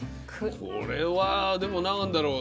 これはでも何だろう。